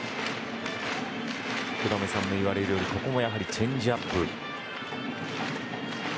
福留さんの言われるようにここも、やはりチェンジアップ。